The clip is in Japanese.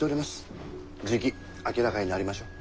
じき明らかになりましょう。